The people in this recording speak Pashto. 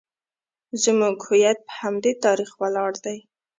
زموږ هویت په همدې تاریخ ولاړ دی